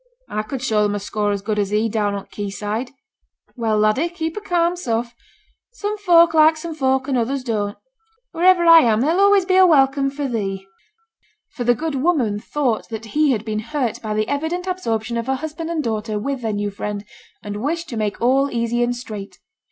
'I could show them a score as good as he down on the quayside.' 'Well, laddie, keep a calm sough. Some folk like some folk and others don't. Wherever I am there'll allays be a welcome for thee.' For the good woman thought that he had been hurt by the evident absorption of her husband and daughter with their new friend, and wished to make all easy and straight.